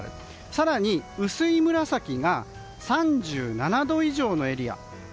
更に、薄い紫が３７度以上のエリア。